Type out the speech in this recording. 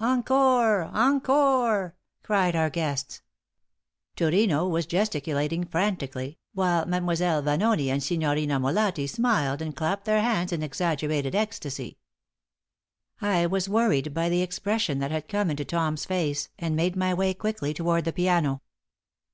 "Encore! Encore!" cried our guests. Turino was gesticulating frantically, while Mlle. Vanoni and Signorina Molatti smiled and clapped their hands in exaggerated ecstasy. I was worried by the expression that had come into Tom's face, and made my way quickly toward the piano.